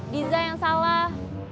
diza yang salah